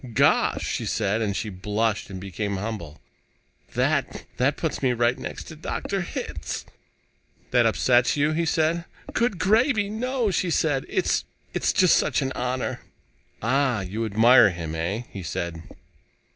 "Gosh " she said, and she blushed and became humble "that that puts me right next to Dr. Hitz." "That upsets you?" he said. "Good gravy, no!" she said. "It's it's just such an honor." "Ah, You... you admire him, eh?" he said.